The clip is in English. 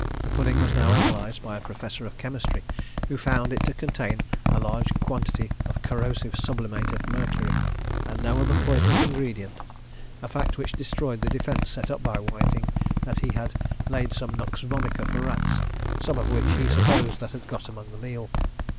The pudding was now analysed by a professor of chemistry, who found it to contain a large quantity of corrosive sublimate of mercury, and no other poisonous ingredient, a fact which destroyed the defence set up by Whiting, that he had laid some nux vomica for rats, some of which he supposed had got among the meal.